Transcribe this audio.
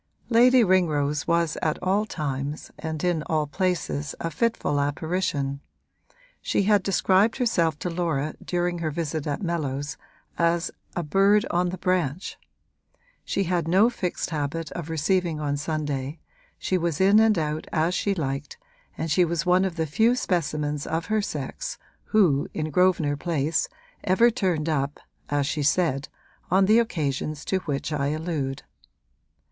Lady Ringrose was at all times and in all places a fitful apparition; she had described herself to Laura during her visit at Mellows as 'a bird on the branch.' She had no fixed habit of receiving on Sunday, she was in and out as she liked, and she was one of the few specimens of her sex who, in Grosvenor Place, ever turned up, as she said, on the occasions to which I allude.